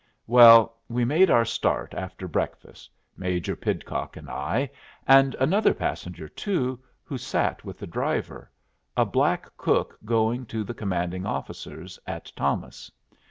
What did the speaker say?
Well, we made our start after breakfast, Major Pidcock and I, and another passenger too, who sat with the driver a black cook going to the commanding officer's at Thomas.